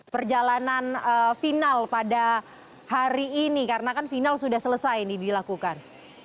perjalanan final pada hari ini karena kan final sudah selesai ini dilakukan